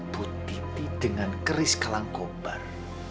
putiti dengan kris kalangkobar